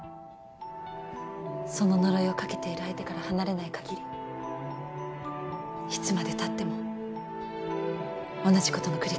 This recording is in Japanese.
その呪いをかけている相手から離れないかぎりいつまでたっても同じことの繰り返しです。